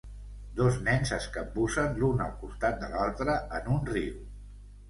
Dos nens es capbussen l'un al costat de l'altre en un riu.